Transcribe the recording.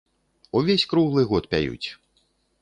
Увесь круглы год пяюць.